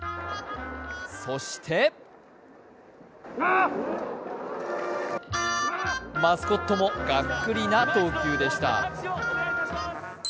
そしてマスコットもガックリな投球でした。